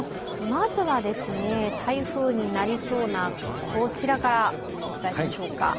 まずは台風になりそうなこちらからお伝えしましょうか。